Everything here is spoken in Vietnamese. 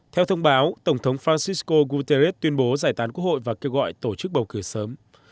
theo thông báo tổng thống francisco guterres tuyên bố giải tán quốc hội và kêu gọi tổ chức bầu cử sớm